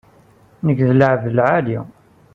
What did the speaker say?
Nekk d lɛebd n lɛali.